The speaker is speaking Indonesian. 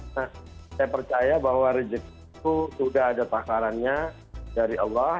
saya percaya bahwa rejeki itu sudah ada takarannya dari allah